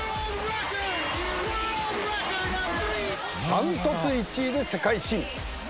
断トツ１位で世界新。